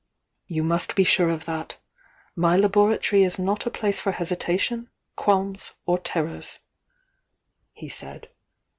"You must be sure of that! My laboratory is not a place for hesitation, qualms, or terrors," he said.